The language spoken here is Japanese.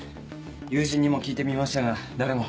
友人にも聞いてみましたが誰も。